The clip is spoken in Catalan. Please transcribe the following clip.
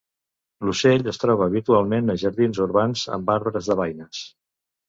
L'ocell es troba habitualment a jardins urbans amb arbres de baies.